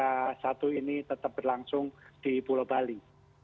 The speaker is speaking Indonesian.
yang satu ini tetap berlangsung di pulau bali